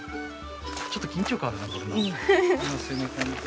ちょっと緊張感あるなこれな。